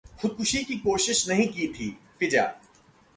खुदकुशी की कोशिश नहीं की थी: फिजा